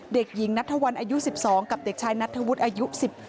เด็กหญิงนัทธวัลอายุ๑๒กับเด็กชายนัทธวุฒิอายุ๑๗